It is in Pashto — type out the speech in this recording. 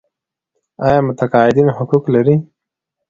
آیا متقاعدین حقوق لري؟